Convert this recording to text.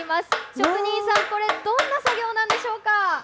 職人さん、これ、どんな作業なんでしょうか。